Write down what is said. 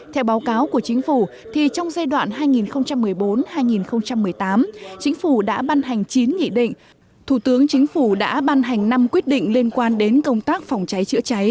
theo báo cáo của chính phủ thì trong giai đoạn hai nghìn một mươi bốn hai nghìn một mươi tám chính phủ đã ban hành chín nghị định thủ tướng chính phủ đã ban hành năm quyết định liên quan đến công tác phòng cháy chữa cháy